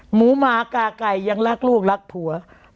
หมากาไก่ยังรักลูกรักผัว